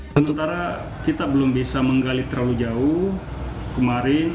sementara kita belum bisa menggali terlalu jauh kemarin